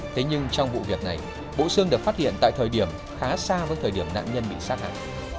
thế nhưng trong vụ việc này bộ xương được phát hiện tại thời điểm khá xa với thời điểm nạn nhân bị sát hại